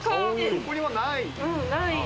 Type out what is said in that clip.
どこにもない。